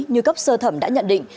như cấp sơ thẩm đã nhận định